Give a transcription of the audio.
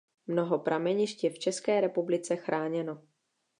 Mnoho pramenišť je v České republice chráněno.